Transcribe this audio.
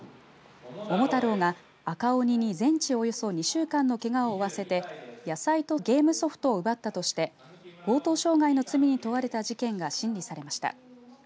桃太郎が赤鬼に全治およそ２週間のけがを負わせて野菜とゲームソフトを奪ったとして強盗傷害の罪に問われた事件が審理されました。